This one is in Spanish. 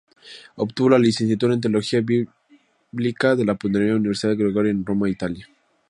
Obtuvo la Licenciatura en Teología Bíblica, en la Pontificia Universidad Gregoriana en Roma, Italia.